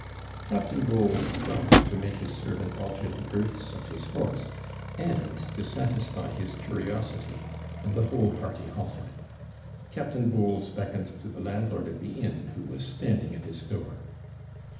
Captain Bowles stopped to make his servant alter the girths of his horse, and to satisfy his curiosity; and the whole party halted. Captain Bowles beckoned to the landlord of the inn, who was standing at his door.